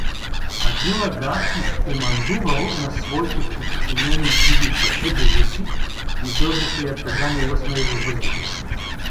Адил ага изкомандувал на своите подчинени диви башибозуци и дългите ятагани лъснали във въздуха.